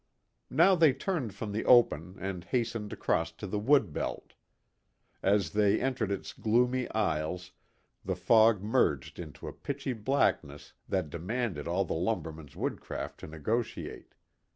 Now they turned from the open and hastened across to the wood belt. As they entered its gloomy aisles, the fog merged into a pitchy blackness that demanded all the lumberman's woodcraft to negotiate.